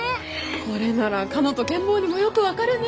これならかのとケン坊にもよく分かるね！